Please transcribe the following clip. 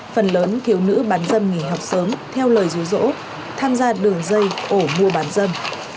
phần lớn khiếu nữ bán dâm nghỉ học sớm theo lời dù dỗ tham gia đường dây ổ mua bán dâm